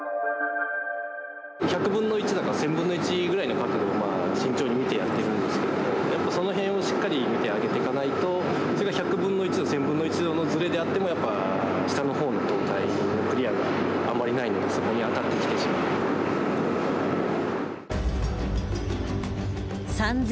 １００分の１だか１，０００分の１ぐらいの角度を慎重に見てやってるんですがやっぱりその辺をしっかり見て上げていかないとそれが１００分の１度１，０００分の１度のズレであってもやっぱ下の方の塔体のクリアーがあんまりないのでそこに当たってきてしまうので。